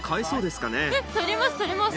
足ります！